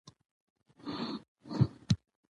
او دا زموږ اختر دی.